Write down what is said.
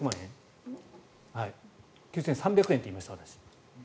９３００円って言いました？